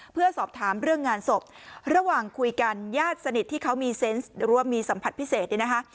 เพื่อสอบถามเรื่องงานศพระหว่างคุยกันญาติสนิทที่เขามีเซนต์หรือว่ามีสัมผัสพิเศษเนี่ยนะคะ